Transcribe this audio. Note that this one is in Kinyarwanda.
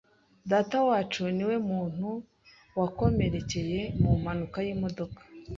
Datawacu niwe muntu wakomerekeye mu mpanuka y'imodoka.